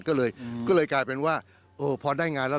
ก็เลยก็เลยกลายเป็นว่าพอได้งานแล้ว